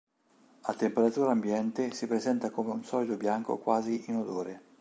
A temperatura ambiente si presenta come un solido bianco quasi inodore.